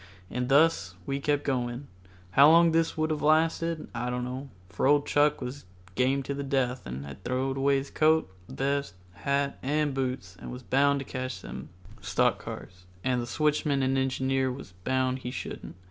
And thus we kept on. How long this would have lasted I don't know, for old Chuck was game to the death and had throwed away his coat, vest, hat and boots and was bound to catch them stock cars, and the switchman and engineer was bound he shouldn't.